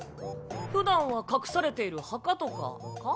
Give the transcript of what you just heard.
ふだんは隠されている墓とかか？